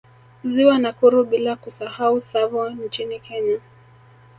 Ziwa Nakuru bila kusahau Tsavo nchini Kenya